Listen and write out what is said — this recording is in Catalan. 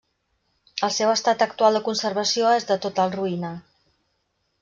El seu estat actual de conservació és de total ruïna.